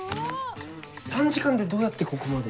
短時間でどうやってここまで？